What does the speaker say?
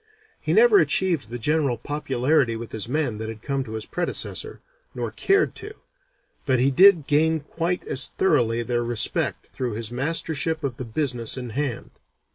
He never achieved the general popularity with his men that had come to his predecessor, nor cared to, but he did gain quite as thoroughly their respect through his mastership of the business in hand.